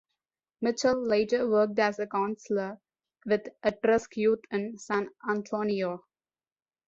Mitchell later worked as a counselor with at-risk youth in San Antonio.